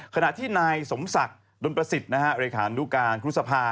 ขณะที่นายสมศักดิ์ดนตรศิษย์อริฐานดูกาลคุณทรภา